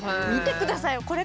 見てくださいよ。